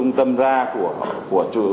của trung tâm ra